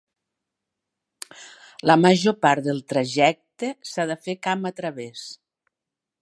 La major part del trajecte s'ha de fer camp a través.